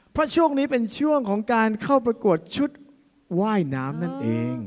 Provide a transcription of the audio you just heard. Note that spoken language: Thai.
เพราะช่วงนี้เป็นช่วงของการเข้าประกวดชุดว่ายน้ำนั่นเอง